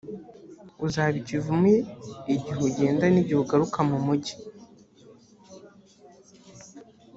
uzaba ikivume igihe ugenda n’igihe ugaruka mu mugi.